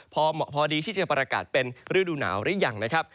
พอเหมาะพอดีที่จะประกาศเป็นฤดูหนาวหรือยังนะครับ